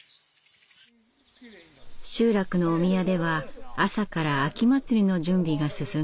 集落のお宮では朝から秋祭りの準備が進んでいました。